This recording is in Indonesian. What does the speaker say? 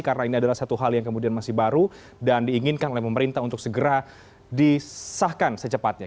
karena ini adalah satu hal yang kemudian masih baru dan diinginkan oleh pemerintah untuk segera disahkan secepatnya